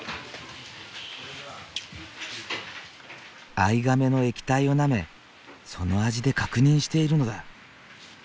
藍がめの液体をなめその味で確認しているのだ。